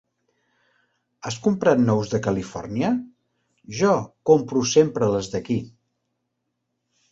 Has comprat nous de Califòrnia? Jo compro sempre les d'aquí.